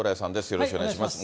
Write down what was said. よろしくお願いします。